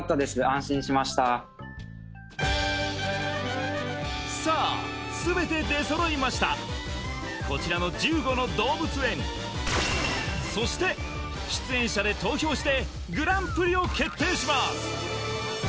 安心しましたさあすべて出揃いましたこちらの１５の動物園そして出演者で投票してグランプリを決定します